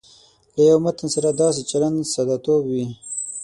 له یوه متن سره داسې چلند ساده توب وي.